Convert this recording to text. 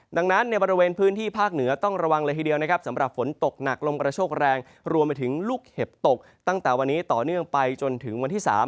ดังนั้นในบริเวณพื้นที่ภาคเหนือต้องระวังเลยทีเดียวนะครับสำหรับฝนตกหนักลมกระโชคแรงรวมไปถึงลูกเห็บตกตั้งแต่วันนี้ต่อเนื่องไปจนถึงวันที่๓